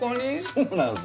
そうなんすよ。